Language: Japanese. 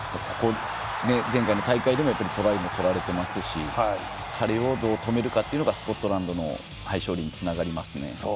前回大会でもトライを取られていますし彼をどう止めるかがスコットランドの勝利につながりますね。